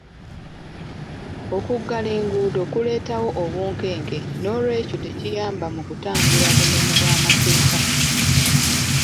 Okuggala enguudo kuleetawo obunkenke n'olwekyo tekiyamba mu kutangira bumenyi bw'amateeka.